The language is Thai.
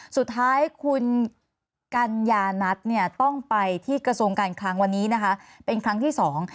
สุดท้ายคุณกัญญานัทเนี่ยต้องไปที่กระทรวงการคลังวันนี้นะคะเป็นครั้งที่สอง